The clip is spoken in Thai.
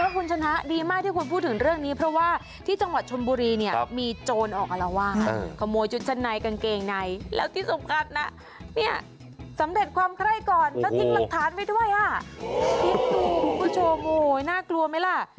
คิดดูคุณผู้ชมโอ้โหน่ากลัวไหมล่ะ